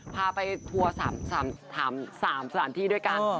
พาไปทัวร์๓สถานที่ด้วยกัน